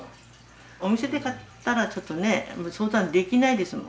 お店で買ったら相談できないですもん。